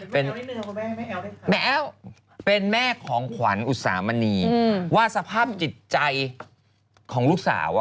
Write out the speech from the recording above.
เป็นแม่แอ้วเป็นแม่ของขวัญอุตสามณีว่าสภาพจิตใจของลูกสาว